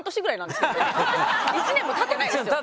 １年もたってないですよ。